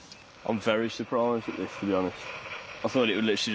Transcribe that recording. うれしい？